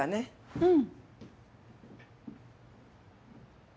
うん。